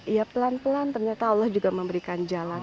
ya pelan pelan ternyata allah juga memberikan jalan